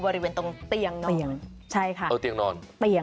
บริเวณตรงเตียงนอน